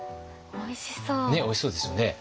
おいしそうですよね。